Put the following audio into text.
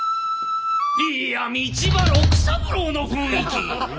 いや道場六三郎の雰囲気！